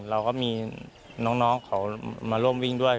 เราก็มีน้องเขามาร่วมวิ่งด้วย